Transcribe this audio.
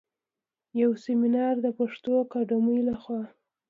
يو سمينار د پښتو اکاډمۍ لخوا